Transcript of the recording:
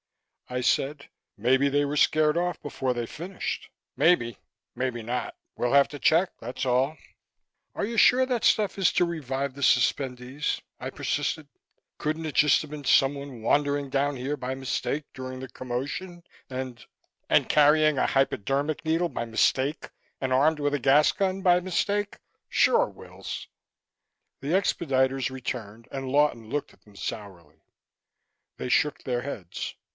I said, "Maybe they were scared off before they finished." "Maybe. Maybe not. We'll have to check, that's all." "Are you sure that stuff is to revive the suspendees?" I persisted. "Couldn't it just have been someone wandering down here by mistake during the commotion and " "And carrying a hypodermic needle by mistake, and armed with a gas gun by mistake. Sure, Wills." The expediters returned and Lawton looked at them sourly. They shook their heads.